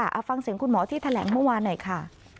เอาฟังเสียงคุณหมอที่แถลงเมื่อวานหน่อยค่ะ